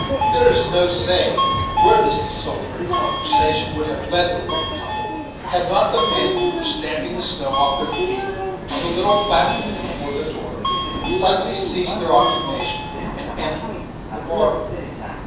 There is no saying where this desultory conversation would have led the worthy couple, had not the men, who were stamping the snow off their feet on the little platform before the door, suddenly ceased their occupation, and entered the bar room.